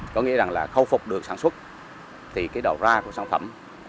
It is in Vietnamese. có nghĩa rằng là khâu phục được sản xuất thì cái đầu ra của sản phẩm